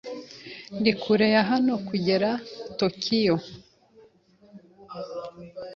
Ni kure ya hano kugera Tokiyo.